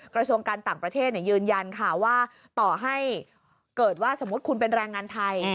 กระทรวงการต่างประเทศยืนยันค่ะว่าต่อให้เกิดว่าสมมุติคุณเป็นแรงงานไทย